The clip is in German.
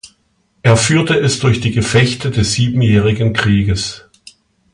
Er führte es durch die Gefechte des Siebenjährigen Krieges.